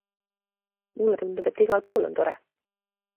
Mulle tundub, et igal pool on tore.